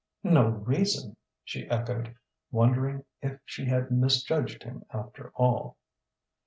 "No reason!" she echoed, wondering if she had misjudged him after all.